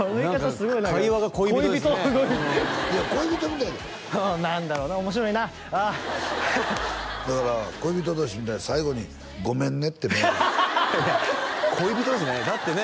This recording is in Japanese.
すごい会話が恋人ですねいや恋人みたいやで何だろうな面白いなだから恋人同士みたいに最後に「ごめんね」って恋人ですねだってね